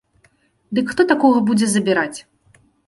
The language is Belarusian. Дык хто такога будзе забіраць.